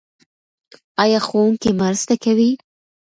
ایا ښوونکی مرسته کوي؟